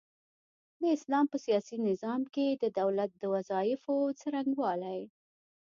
د اسلام په سياسي نظام کي د دولت د وظايفو څرنګوالۍ